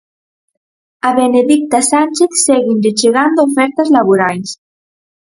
A Benedicta Sánchez séguenlle chegando ofertas laborais.